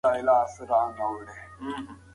دا کار ستاسو په لاس کي دی.